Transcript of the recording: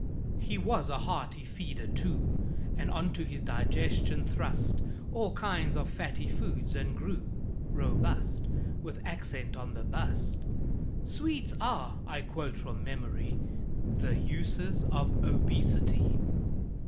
He was a hearty feeder too, And onto his digestion thrust All kinds of fatty foods, and grew Robust with accent on the Bust. ("Sweets are" I quote from memory "The Uses of Obesity!")